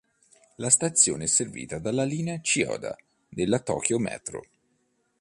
La stazione è servita dalla linea Chiyoda della Tokyo Metro.